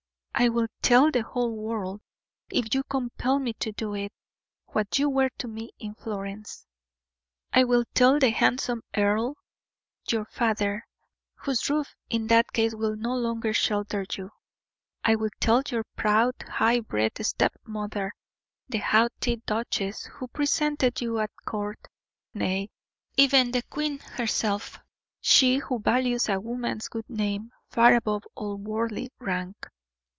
I will tell the whole world, if you compel me to do it, what you were to me in Florence; I will tell the handsome earl, your father, whose roof in that case will no longer shelter you. I will tell your proud, high bred step mother the haughty duchess who presented you at court nay, even the queen herself, she who values a woman's good name far above all worldly rank."